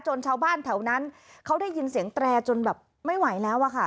ชาวบ้านแถวนั้นเขาได้ยินเสียงแตรจนแบบไม่ไหวแล้วอะค่ะ